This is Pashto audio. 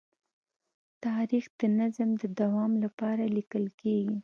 تاریخ د نظم د دوام لپاره لیکل کېږي.